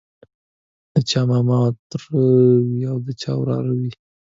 د چا ماما او تره وي او د چا وراره وي.